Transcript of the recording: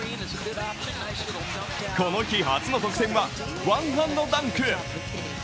この日、初の得点はワンハンドダンク。